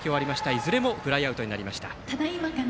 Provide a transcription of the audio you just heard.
いずれもフライアウトになりました。